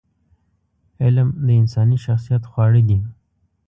علم د انساني شخصیت خواړه دي.